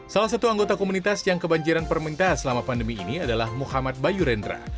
salah satu anggota komunitas yang kebanjiran permenita selama pandemi ini adalah muhammad bayurendra